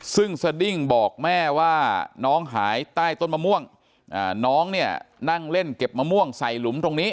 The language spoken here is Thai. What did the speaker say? ซึ่งสดิ้งบอกแม่ว่าน้องหายใต้ต้นมะม่วงน้องเนี่ยนั่งเล่นเก็บมะม่วงใส่หลุมตรงนี้